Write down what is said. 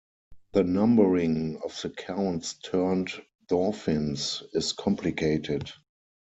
The numbering of the Counts-turned-Dauphins is complicated.